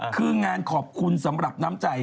คืองานขอบคุณสำหรับน้ำใจ